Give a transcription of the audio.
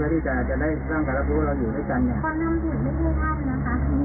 แล้วก็พาประหลักอุโสมาเพื่อที่เราต้องทำงานร่วมกันอยู่ดีใช่ไหมครับ